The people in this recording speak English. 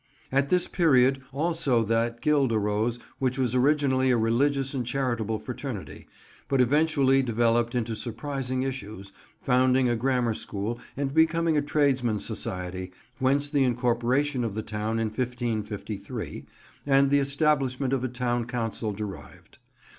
At this period also that Guild arose which was originally a religious and charitable fraternity, but eventually developed into surprising issues, founding a grammar school and becoming a tradesmen's society, whence the incorporation of the town in 1553, and the establishment of a town council derived.